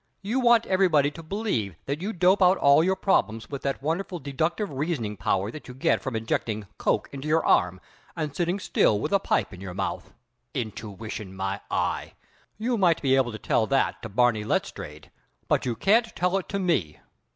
You want everybody to believe that you dope out all your problems with that wonderful deductive reasoning power that you get from injecting 'coke' into your arm, and sitting still with a pipe in your mouth! 'Intuition,' my eye! You might be able to tell that to Barney Letstrayed, but you can't tell it to me!"